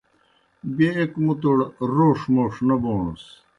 بیْہ ایْک مُتوْڑ روݜ موݜ نہ بوݨَس۔